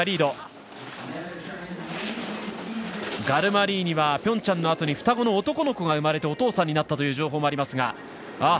ガルマリーニはピョンチャンのあとに双子の男の子が生まれてお父さんになったという情報もあります。